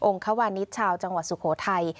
ควานิสชาวจังหวัดสุโขทัย